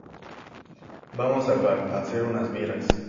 Vamos al bar a hacer unas birras